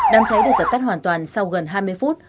đám cháy được dập tắt hoàn toàn sau gần hai mươi phút